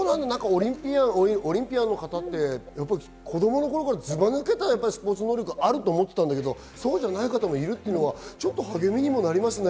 オリンピアの方って、子供の頃からずば抜けたスポーツ能力あると思ってたんですけれども、そうじゃない方がいるのは少し励みになりますね。